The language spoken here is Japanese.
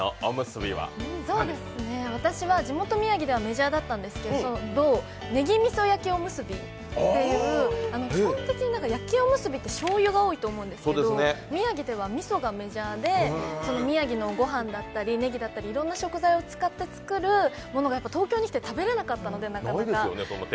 私は地元・宮城ではメジャーだったんですけど、ねぎみそ焼きおむすびっていう、基本的に焼きおむすびってしょうゆが多いと思うんですけど宮城ではみそがメジャーで、宮城の御飯だったり、ねぎだったり、いろんな食材を使って作るものが東京に来てなかなか食べれなかったので。